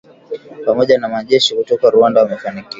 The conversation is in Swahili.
pamoja na majeshi kutoka Rwanda wamefanikiwa